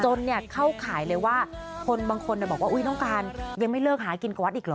เข้าข่ายเลยว่าคนบางคนบอกว่าน้องการยังไม่เลิกหากินกับวัดอีกเหรอ